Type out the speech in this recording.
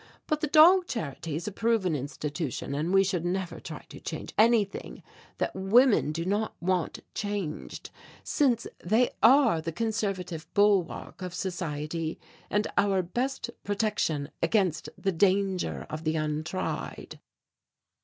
But the dog charity is a proven institution and we should never try to change anything that women do not want changed since they are the conservative bulwark of society and our best protection against the danger of the untried."